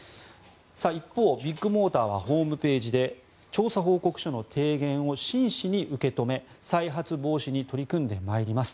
一方、ビッグモーターはホームページで調査報告書の提言を真摯に受け止め再発防止に取り組んでまいります。